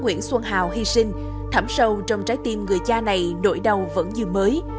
nguyễn xuân hà hy sinh thẳm sâu trong trái tim người cha này nỗi đau vẫn như mới